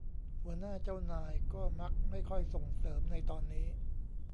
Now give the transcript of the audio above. หัวหน้าเจ้านายก็มักไม่ค่อยส่งเสริมในตอนนี้